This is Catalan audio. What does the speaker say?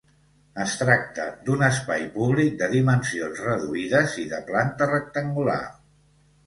Es tracta d'un espai públic de dimensions reduïdes i de planta rectangular.